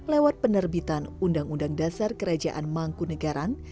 lewat penerbitan undang undang dasar kerajaan mangku negara